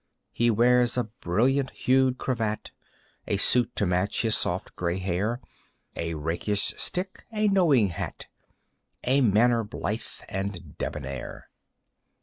He wears a brilliant hued cravat, A suit to match his soft grey hair, A rakish stick, a knowing hat, A manner blithe and debonair.